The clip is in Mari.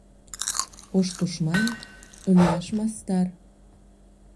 Ош тушман — лӱяш мастар